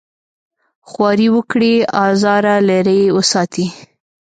خواري وکړي ازاره لرې وساتي.